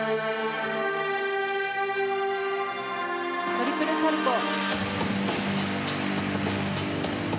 トリプルサルコウ。